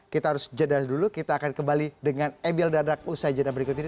kita harus jeda dulu kita akan kembali dengan emil dadak usai jeda berikut ini